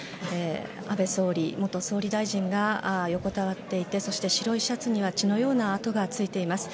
安倍元総理大臣が横たわっていてそして、白いシャツには血のような痕がついています。